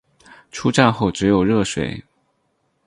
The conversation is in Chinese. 出站后只有热水